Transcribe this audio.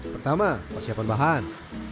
pertama persiapan bahan